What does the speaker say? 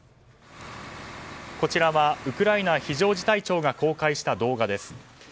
こちらはウクライナ非常事態庁が公開した動画です。